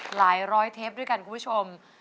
หลายร้อยเทปด้วยกันคุณผู้ชม